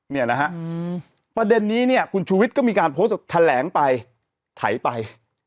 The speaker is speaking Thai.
เนี่ยนะฮะประเด็นนี้เนี่ยคุณชูวิทย์ก็มีการโพสต์แถลงไปไถไป